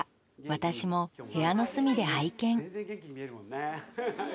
私も部屋の隅で拝見